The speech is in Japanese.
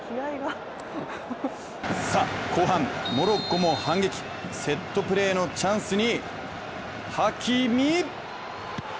さあ後半、モロッコも反撃セットプレーのチャンスにハキミ。